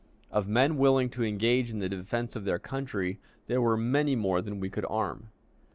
Of men willing to engage in the defense of their country, there were many more than we could arm.